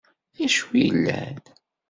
Acu yellan?